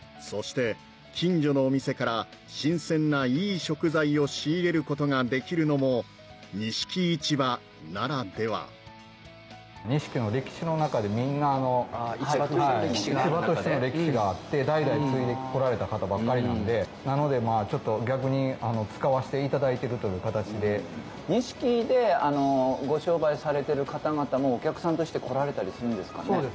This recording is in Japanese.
そして近所のお店から新鮮ないい食材を仕入れることができるのも錦市場ならでは錦の歴史の中でみんな市場としての歴史がある中で市場としての歴史があって代々継いでこられた方ばっかりなんでなのでちょっと逆に使わせていただいてるという形で錦でご商売されてる方々もお客さんとして来られたりするんですかね